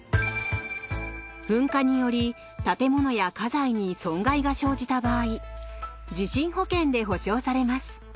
噴火により建物や家財に損害が生じた場合地震保険で補償されます。